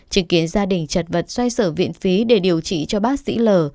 chứng kiến gia đình chật vật xoay sở viện phí để điều trị cho bác sĩ l